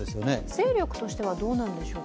勢力としてはどうなんでしょうか？